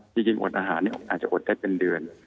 จริงอดอาหารอาจจะอดได้เป็นเดือน